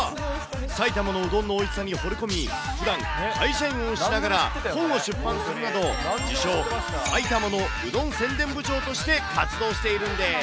埼玉のうどんのおいしさにほれ込み、ふだん、会社員をしながら本を出版するなど、自称、埼玉のうどん宣伝部長として活動しているんです。